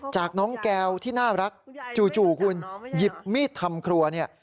จากน้องแก้วที่น่ารักจู่คุณหยิบมีดทำครัวเนี่ย